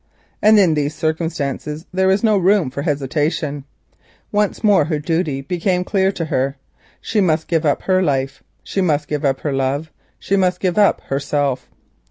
And in these circumstances there was no room for hesitation. Once more her duty became clear to her. She must give up her life, she must give up her love, she must give up herself.